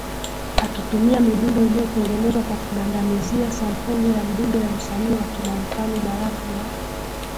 akitumia midundo iliyotengenezwa kwa kugandamizia sampuli ya mdundo ya msanii wa Kimarekani barafu ya